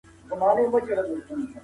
بزګر خپلو دوستانو ته د کار وویل.